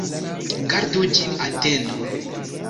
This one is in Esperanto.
Gardu ĝin, atendu!